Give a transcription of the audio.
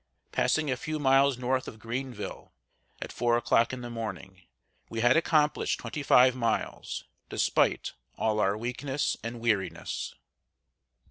Passing a few miles north of Greenville, at four o'clock in the morning, we had accomplished twenty five miles, despite all our weakness and weariness.